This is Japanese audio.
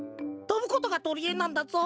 とぶことがとりえなんだぞ。